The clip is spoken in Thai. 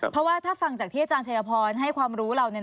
เพราะว่าถ้าฟังจากที่อาจารย์ชัยพรให้ความรู้เราเนี่ย